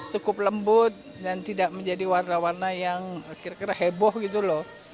cukup lembut dan tidak menjadi warna warna yang kira kira heboh gitu loh